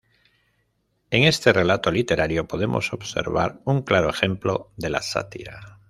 En este relato literario podemos observar un claro ejemplo de la sátira.